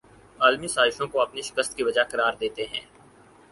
عالمی سازشوں کو اپنی شکست کی وجہ قرار دیتے ہیں